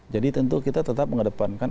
jadi tentu kita tetap mengedepankan